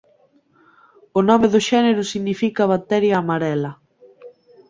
O nome do xénero significa "bacteria amarela".